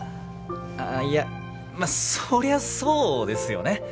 あぁいやまあそりゃそうですよね。